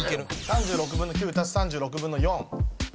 ３６分の９足す３６分の４。